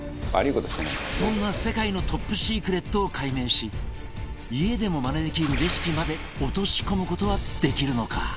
そんな世界のトップシークレットを解明し家でもマネできるレシピまで落とし込む事はできるのか？